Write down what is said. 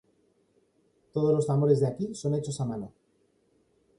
Todos los tambores de aquí son hechos a mano.